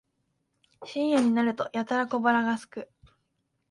深夜になるとやたら小腹がすく